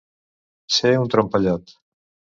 Ser un trompellot.